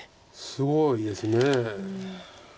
すごいです。